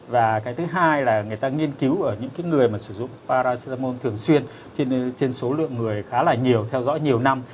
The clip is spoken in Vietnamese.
và cái thứ hai là người ta nghiên cứu ở những người mà sử dụng paracetamol thường xuyên trên số lượng người khá là nhiều theo dõi nhiều năm